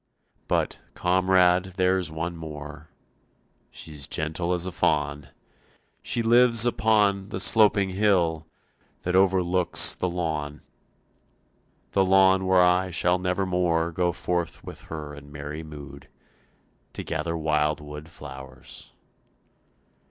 "But, comrade, there's one more, She's gentle as a fawn; She lives upon the sloping hill That overlooks the lawn, The lawn where I shall never more Go forth with her in merry mood To gather wild wood flowers.